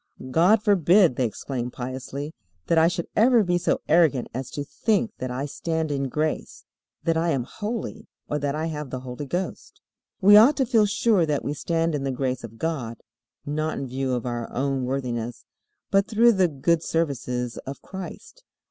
"God forbid," they exclaim piously, "that I should ever be so arrogant as to think that I stand in grace, that I am holy, or that I have the Holy Ghost." We ought to feel sure that we stand in the grace of God, not in view of our own worthiness, but through the good services of Christ.